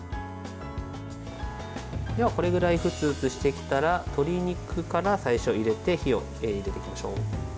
これくらい、ふつふつしてきたら鶏肉から最初入れて火を弱めていきましょう。